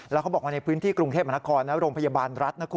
แล้วเขาบอกว่าในพื้นที่กรุงเทพมนาคมโรงพยาบาลรัฐนะคุณ